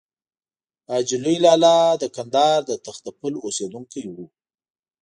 حاجي لوی لالا د کندهار د تختې پل اوسېدونکی و.